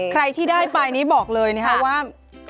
ใครที่ได้ไปนี้บอกเลยนะครับว่า